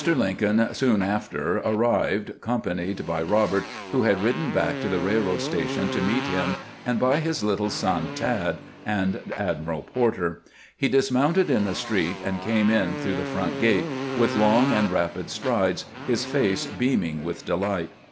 Lincoln soon after arrived, accompanied by Rob ert, who had ridden back to the railroad station to meet him, and by his little son, " Tad," and Admiral Porter. He dismounted in the street, and came in through the front gate with long and rapid strides, his face beaming with delight.